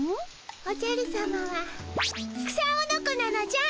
おじゃるさまは草おのこなのじゃ。